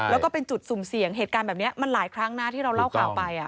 แล้วก็เป็นจุดสุ่มเสี่ยงเหตุการณ์แบบนี้มันหลายครั้งนะที่เราเล่าข่าวไป